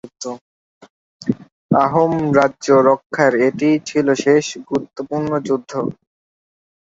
আহোম রাজ্য রক্ষার এটিই ছিল শেষ গুরুত্বপূর্ণ যুদ্ধ।